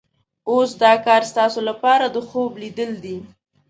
اوس دا کار ستاسو لپاره د خوب لیدل دي.